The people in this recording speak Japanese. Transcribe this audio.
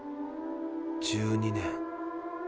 １２年。